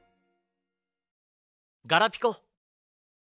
ガラピコ。